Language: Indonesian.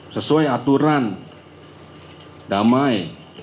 sesuai aturan damai